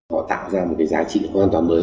họ tạo ra một cái giá trị hoàn toàn mới